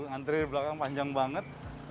antrean belakang panjang banget